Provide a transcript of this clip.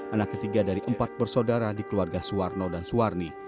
anak ketiga dari empat bersaudara di keluarga suwarno dan suwarni